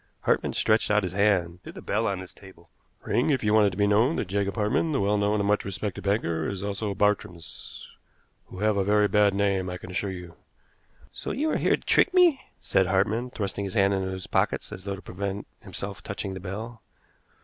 Hartmann stretched out his hand to the bell on his table. "Ring if you want it to be known that Jacob Hartmann, the well known and much respected banker, is also Bartrams, who have a very bad name, I can assure you." "So you are here to trick me?" said Hartmann, thrusting his hands into his pockets as though to prevent himself touching the bell.